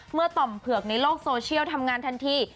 ต่อมเผือกในโลกโซเชียลทำงานทันที